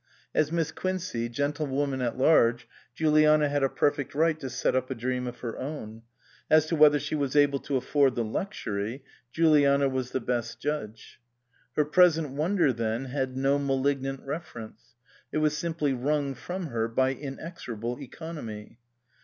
As Miss Quincey, gentlewoman at large, Juliana had a perfect right to set up a dream of her own ; as to whether she was able to afford the luxury, Juliana was the best judge. Her present won der, then, had no malignant reference ; it was simply wrung from her by inexorable economy.